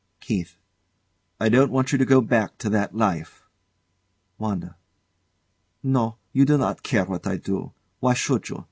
KEITH. I don't want you to go back to that life. WANDA. No; you do not care what I do. Why should you?